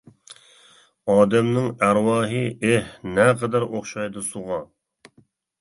ئادەمنىڭ ئەرۋاھى، ئېھ، نەقەدەر ئوخشايدۇ سۇغا.